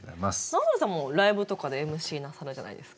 直太朗さんもライブとかでＭＣなさるじゃないですか。